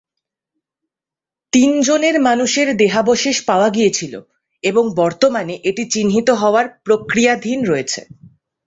তিনজনের মানুষের দেহাবশেষ পাওয়া গিয়েছিল এবং বর্তমানে এটি চিহ্নিত হওয়ার প্রক্রিয়াধীন রয়েছে।